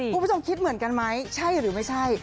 คุณผู้ชมคิดเหมือนกันไหมใช่หรือไม่ใช่